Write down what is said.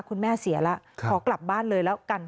คุณแม่เสียแล้วขอกลับบ้านเลยแล้วกัน